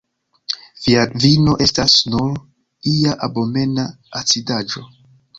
Via vino estas nur ia abomena acidaĵo.